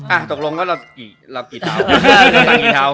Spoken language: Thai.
อ่ะตกลงก็เรากี่เท่า